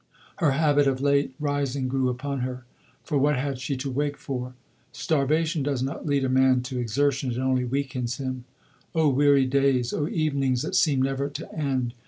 Her habit of late rising grew upon her; for what had she to wake for? "Starvation does not lead a man to exertion, it only weakens him. O weary days, O evenings that seem never to end!